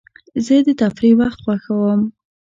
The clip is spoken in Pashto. زه د تفریح وخت خوښوم.